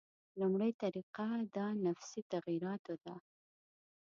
لومړۍ طریقه د انفسي تغییراتو ده.